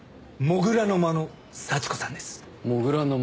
「土竜の間の幸子さん」？